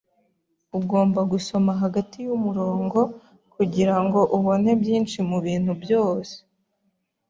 Ugomba gusoma hagati yumurongo kugirango ubone byinshi mubintu byose.